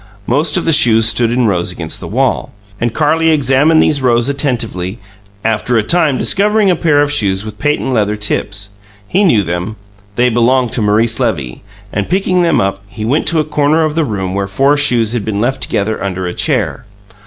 Most of the shoes stood in rows against the wall, and Carlie examined these rows attentively, after a time discovering a pair of shoes with patent leather tips. He knew them; they belonged to Maurice Levy, and, picking them up, he went to a corner of the room where four shoes had been left together under a chair.